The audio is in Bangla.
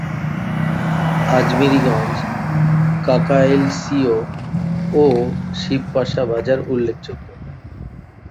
আজমিরিগঞ্জ, কাকাইলসিও ও শিবপাশা বাজার উল্লেখযোগ্য।